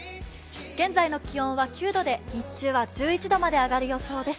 現在の気温は９度で、日中は１１度まで上がる予想です。